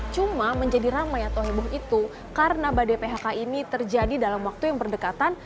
cuma menjadi ramai atau heboh itu karena badai phk ini terjadi dalam waktu yang berdekatan